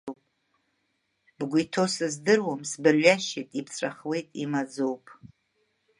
Бгәы иҭоу сыздыруам, сбырҩашьеит, ибҵәахуеит, имаӡоуп…